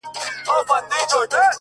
• شپې تر سهاره یې سجدې کولې ,